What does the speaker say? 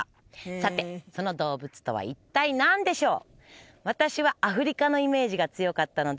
さてその動物とは一体何でしょう？